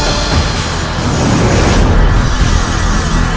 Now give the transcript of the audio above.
kau bisa benar benar